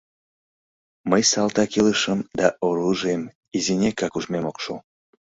Мый салтак илышым да оружийым изинекак ужмем ок шу.